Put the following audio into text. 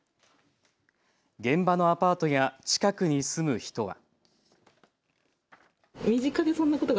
現場のアパートや近くに住む人は。